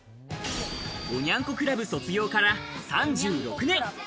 おニャン子クラブ卒業から３６年。